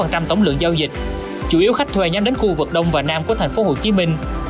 tổng lượng giao dịch chủ yếu khách thuê nhắm đến khu vực đông và nam của thành phố hồ chí minh